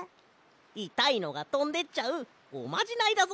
いたいのがとんでっちゃうおまじないだぞ。